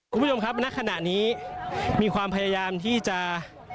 คุณผู้ชมครับณขณะนี้มีความพยายามที่จะ